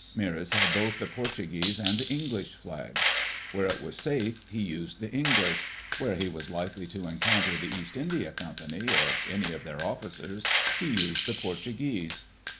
Meares had both the Portuguese and the E^iglish flags. Where it was safe, he used die English; where he was likely to encounter die East India Company, or any of dieir officers, he used die Portuguese.